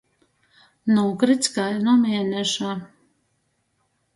Nūkrits kai nu mieneša.